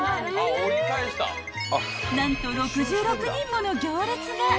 ［何と６６人もの行列が］